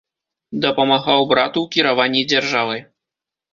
Дапамагаў брату ў кіраванні дзяржавай.